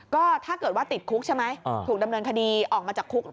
ก็ถ้าเกิดว่าติดคุกใช่ไหมถูกดำเนินคดีออกมาจากคุก